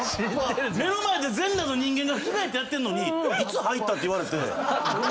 目の前で全裸の人間が着替えてやってんのに「いつ入った？」って言われて。